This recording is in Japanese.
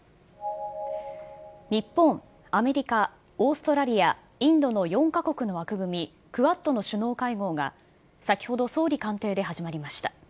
日本、アメリカ、オーストラリア、インドの４か国の枠組み、クアッドの首脳会合が、先ほど総理官邸で始まりました。